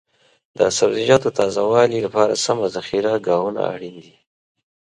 د سبزیجاتو تازه والي لپاره سمه ذخیره ګاهونه اړین دي.